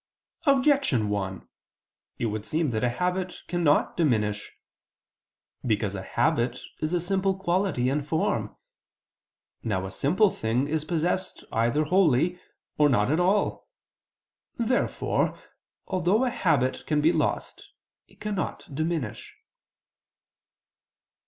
Objection 1: It would seem that a habit cannot diminish. Because a habit is a simple quality and form. Now a simple thing is possessed either wholly or not at all. Therefore although a habit can be lost it cannot diminish.